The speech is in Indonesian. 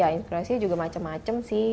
inspirasi nya juga macam macam sih